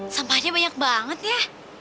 sampahnya banyak banget ya